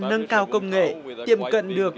nâng cao công nghệ tiềm cận được